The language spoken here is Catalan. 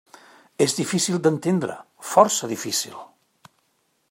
És difícil d'entendre, força difícil!